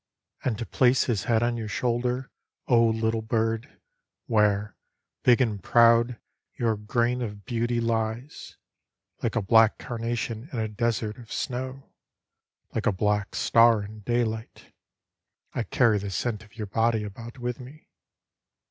And to place his head on your shoulder, O little bird, Where, big and proud, your grain of beauty lies. Like a black carnation in a desert of snow. Like a black star in daylight. I carry the scent of your body about with me.